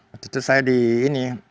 waktu itu saya di ini